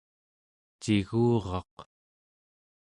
ciguraq